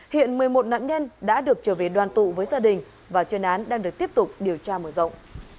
hiện một mươi một nạn nhân đã được trở về đoàn tụ với gia đình và chuyên án đang được tiếp tục điều tra mở rộng